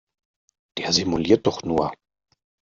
Der simuliert doch nur!